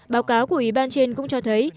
báo cáo của ủy ban trên cũng cho thấy